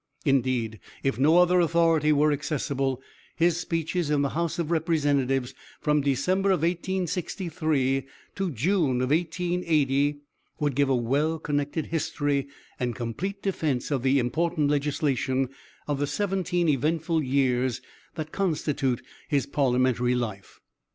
Indeed, if no other authority were accessible, his speeches in the House of Representatives from December, 1863, to June, 1880, would give a well connected history and complete defense of the important legislation of the seventeen eventful years that constitute his parliamentary life.